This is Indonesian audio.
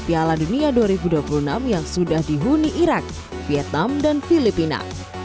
piala dunia dua ribu dua puluh enam yang sudah dihuni irak vietnam dan filipina